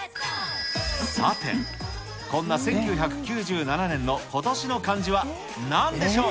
さて、こんな１９９７年の今年の漢字はなんでしょう。